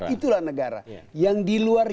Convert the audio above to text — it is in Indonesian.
itulah negara yang di luar